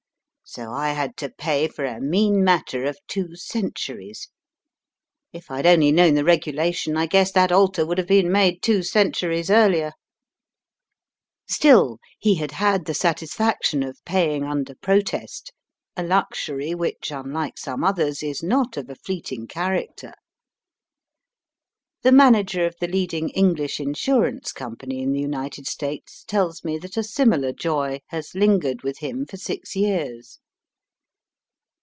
So I had to pay for a mean matter of two centuries. If I'd only known the regulation, I guess that Digitized by VjOOQIC 30 EAST BY WEST. altar would have been made two centuries earlier." Still lie had had the satisfaction of paying under protest, a luxury which, unlike some others, is not of a fleeting character. The manager of the leading EngHsh Insurance Com pany in the United States tells me that a similar joy has lingered with him for six years.